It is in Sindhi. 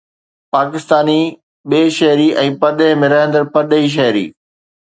پاڪستاني ٻٽي شهري ۽ پرڏيهه ۾ رهندڙ پرڏيهي شهري